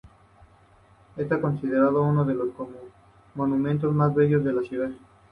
Está considerado uno de los monumentos más bellos de la ciudad.